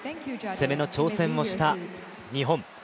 攻めの挑戦をした日本。